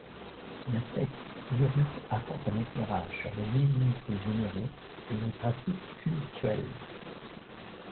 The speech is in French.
Les textes d'Uruk apportent un éclairage sur les divinités vénérées et les pratiques cultuelles.